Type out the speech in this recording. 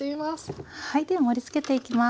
はいでは盛りつけていきます。